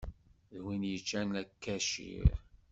D win yeččan lkacir.